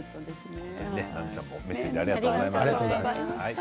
メッセージありがとうございました。